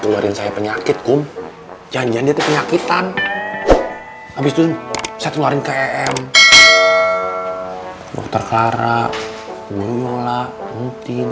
keluarin saya penyakit kum janjan di penyakitan habis itu saya keluarin kem kem terkara gula mutin